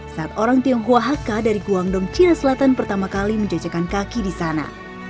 saat orang tionghoa haka dari guangdong cina selatan pertama kali menjajakan kaki di sana